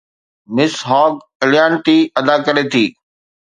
مس هاگ اليانٽي ادا ڪري ٿي